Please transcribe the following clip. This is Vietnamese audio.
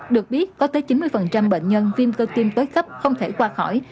được biết có tới chín mươi bệnh nhân viêm cơ tim tới cấp không thể qua khỏi